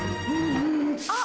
あっ。